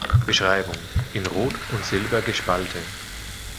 Beschreibung: In Rot und Silber gespalten.